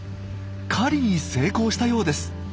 狩りに成功したようです。